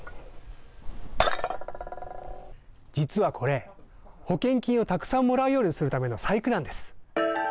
実はこれ、保険金をたくさんもらうようにするための細工なんです。